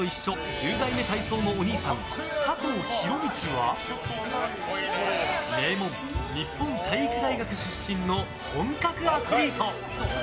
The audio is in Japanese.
１０代目体操のおにいさん佐藤弘道は名門・日本体育大学出身の本格アスリート。